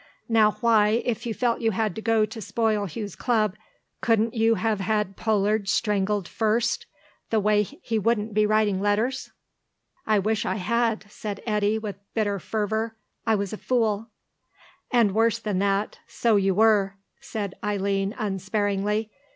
Now why, if you felt you had to go to spoil Hugh's club, couldn't you have had Pollard strangled first, the way he wouldn't be writing letters?" "I wish I had," said Eddy, with bitter fervour. "I was a fool." "And worse than that, so you were," said Eileen, unsparingly.